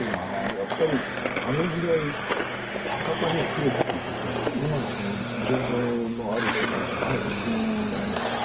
やっぱりあの時代博多に来るっていうことを今の情報のある世界じゃないですから時代が。